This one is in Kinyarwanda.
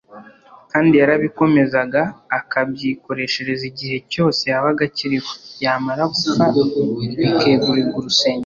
kandi yarabikomezaga akabyikoreshereza igihe cyose yabaga akiriho, yamara gupfa bikegurirwa urusengero